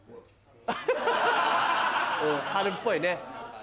春っぽいね。